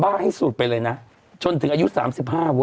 บ้าให้สุดไปเลยนะชนถึงอายุ๓๕ว่ะ